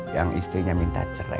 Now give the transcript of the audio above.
yang istrinya minta cerai